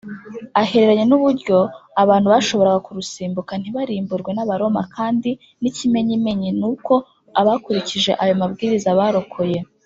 ahereranye n uburyo abantu bashoboraga kurusimbuka ntibarimburwe n Abaroma kandi n ikimenyimenyi ni uko abakurikije ayo mabwiriza barokoye